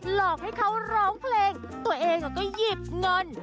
หลอกให้เขาร้องเพลงตัวเองก็หยิบเงิน